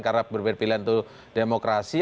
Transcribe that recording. karena berbeda pilihan itu demokrasi